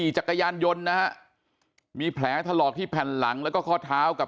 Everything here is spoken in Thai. มีจักรยานยนต์นะมีแผลทะเลาะที่แผ่นหลังแล้วก็ข้อท้าวกับ